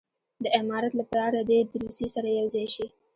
د امارت لپاره دې د روسیې سره یو ځای شي.